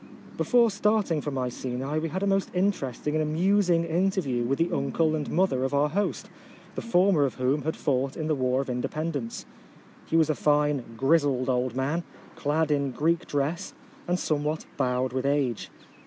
Before starting for Mycense, we had a most interesting and amusing interview with the uncle and mother of our host, the former of whom had fought in the war of independence. He was a fine grizzled old man, clad in Greek dress, and somewhat bowed with age.